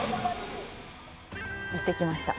行ってきました。